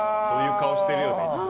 そういう顔しているよね。